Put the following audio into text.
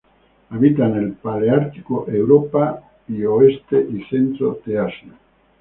Habita en el paleártico: Europa y oeste y centro de Asia.